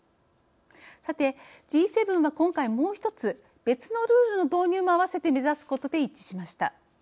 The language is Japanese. さて、Ｇ７は今回もう一つ別のルールの導入もあわせて目指すことで一致しました。